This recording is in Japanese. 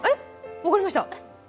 分かりました。